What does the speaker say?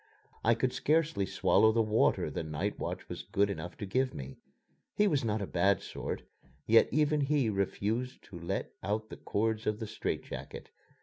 I could scarcely swallow the water the night watch was good enough to give me. He was not a bad sort; yet even he refused to let out the cords of the strait jacket.